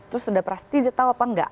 terus sudah pasti dia tahu apa enggak